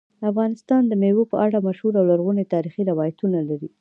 افغانستان د مېوو په اړه مشهور او لرغوني تاریخی روایتونه لري.